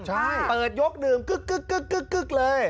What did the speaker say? ใช่เปิดยกดื่มกึ๊กเลย